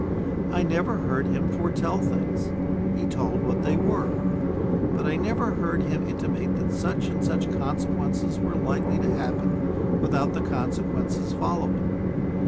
I never heard him foretell things; he told what they were, but I never heard him intimate that such and such consequences were likely to happen without the consequences following.